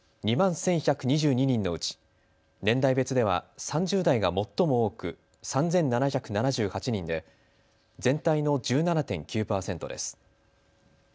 ２万１１２２人のうち年代別では３０代が最も多く３７７８人で全体の１７．９％です。